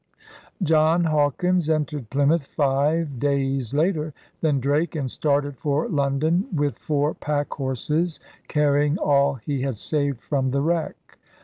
John Hawkins entered Pl3anouth five days later than Drake and started for London with four pack horses carrying all he had saved from the wreck.